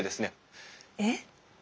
えっ？